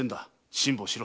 辛抱しろ。